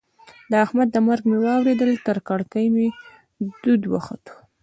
د احمد د مرګ مې واورېدل؛ تر ککرۍ مې دود وخوت.